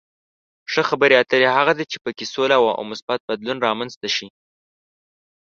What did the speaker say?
ښه خبرې اترې هغه دي چې په کې سوله او مثبت بدلون رامنځته شي.